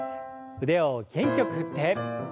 腕を元気よく振って。